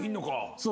そう。